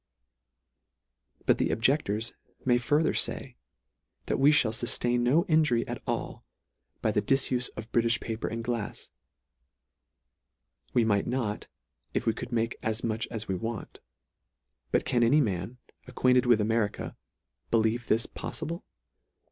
But the objectors may further fay, that we (hall fuftain no injury at all by the difufe of Britifh paper and glafs. We might not, if we could make as much as we want. But can any man, acquainted with Ameri ca, believe this poffible ?